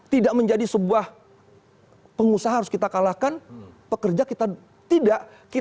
tidak menjadi sebuah pengusaha harus kita kalahkan pekerja kita tidak kita